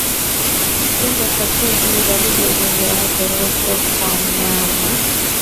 Kuvimba kwa tezi ni dalili ya ugonjwa wa ndorobo kwa mnyama